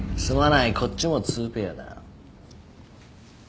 すまないこっちもツーペアだ。